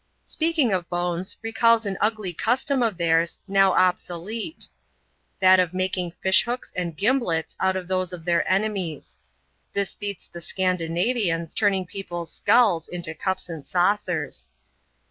Speaking of bones, recalls an ugly custom of theirs, now ob olete — that of making fish hooks and gimblets out of those of beir enemies. This beats the Scandinavians turning people's knlls into cups and saucers.